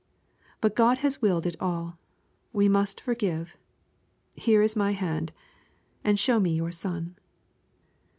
But God has willed it all. We must forgive. Here is my hand and show me your son."